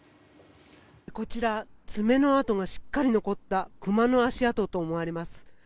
こちら、爪の跡がしっかり残ったクマの足跡と思われます。